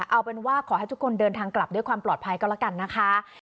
เอาเป็นว่าขอให้ทุกคนเดินทางกลับด้วยความปลอดภัยก็แล้วกันนะคะ